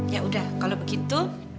ya udah kalau begitu